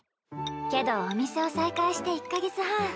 けどお店を再開して１か月半。